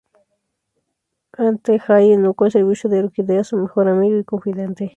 An-te-hai: Eunuco al servicio de Orquídea, su mejor amigo y confidente.